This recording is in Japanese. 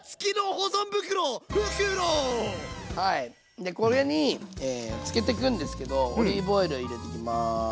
でこれにつけてくんですけどオリーブオイルを入れていきます。